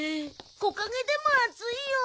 木陰でも暑いよ。